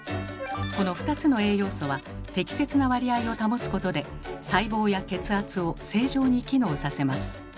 この２つの栄養素は適切な割合を保つことで細胞や血圧を正常に機能させます。